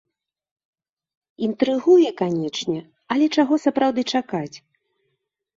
Інтрыгуе, канечне, але чаго сапраўды чакаць?